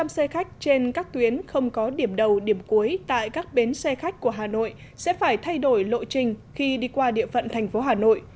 một mươi xe khách trên các tuyến không có điểm đầu điểm cuối tại các bến xe khách của hà nội sẽ phải thay đổi lộ trình khi đi qua địa phận thành phố hà nội